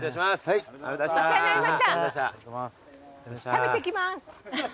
食べてきます。